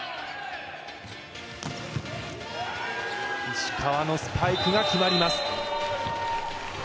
石川のスパイクが決まります。